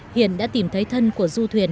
hiện đã tìm thấy thân của du thuyền